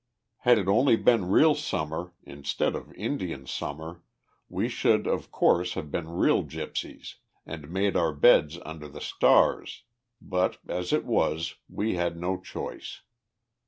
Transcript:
Had it only been real Summer, instead of Indian Summer, we should, of course, have been real gypsies, and made our beds under the stars, but, as it was, we had no choice.